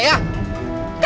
jadi bantuin saya